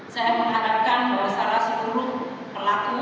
saya mengharapkan kepada salah seluruh pelaku